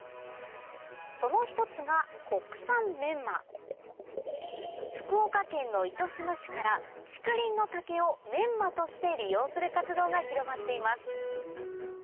その一つが福岡県の糸島市から竹林の竹をメンマとして利用する活動が広まっています